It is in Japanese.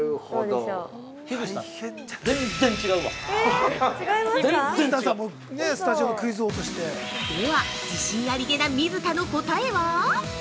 ◆では、自信ありげな水田の答えは？